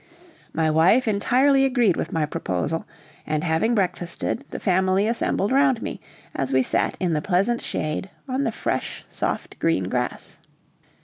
My wife entirely agreed with my proposal, and having breakfasted, the family assembled round me, as we sat in the pleasant shade on the fresh, soft green grass.